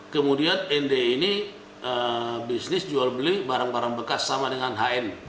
kemudian nd ini bisnis jual beli barang barang mewah